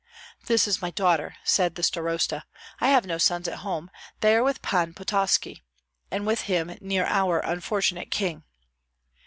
"This is my daughter," said the starosta. "I have no sons at home; they are with Pan Pototski, and with him near our unfortunate king."